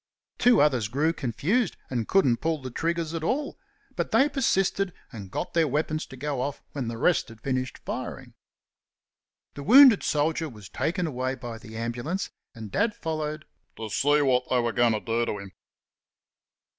Two others grew confused and couldn't pull the triggers at all, but they persisted and got their weapons to go off when the rest had finished firing. The wounded soldier was taken away by the ambulance, and Dad followed "to see what they were going to do to him."